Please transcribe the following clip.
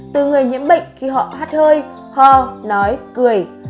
từ người nhiễm bệnh khi họ hát hơi ho nói cười